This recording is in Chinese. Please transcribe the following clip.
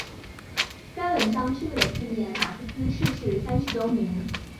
该文章是为了纪念马克思逝世三十周年。